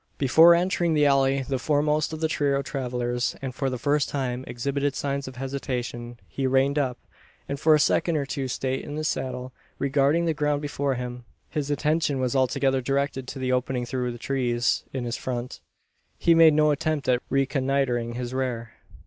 Before entering the alley the foremost of the trio of travellers, and for the first time, exhibited signs of hesitation. He reined up; and for a second or two sate in his saddle regarding the ground before him. His attention was altogether directed to the opening through the trees in his front. He made no attempt at reconnoitring his rear.